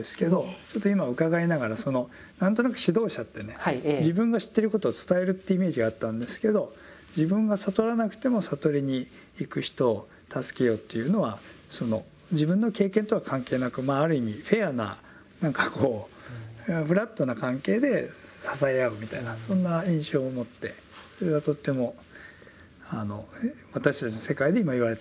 ちょっと今伺いながらその何となく指導者ってね自分が知ってることを伝えるってイメージがあったんですけど自分が悟らなくても悟りに行く人を助けようというのは自分の経験とは関係なくまあある意味フェアな何かこうフラットな関係で支え合うみたいなそんな印象を持ってそれがとっても私たちの世界で今言われてることに近いなと思って。